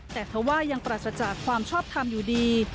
แต่เธอว่ายังปราศจากความชอบทำอยู่ดี